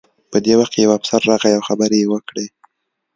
په دې وخت کې یو افسر راغی او خبرې یې وکړې